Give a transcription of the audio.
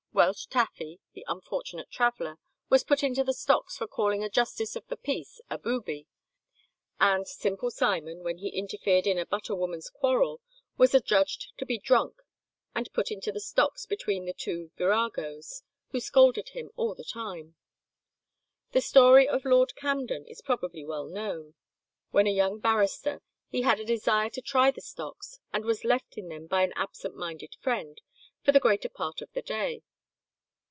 Welch Taffy, "the unfortunate traveller," was put into the stocks for calling a justice of the peace a "boobie;" and "Simple Simon," when he interfered in a butter woman's quarrel, was adjudged to be drunk and put into the stocks between the two viragoes, who scolded him all the time. The story of Lord Camden is probably well known. When a young barrister he had a desire to try the stocks, and was left in them by an absent minded friend, for the greater part of the day.